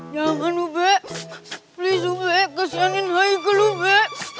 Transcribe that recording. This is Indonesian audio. jangan ube please ube kesianin hai ke ube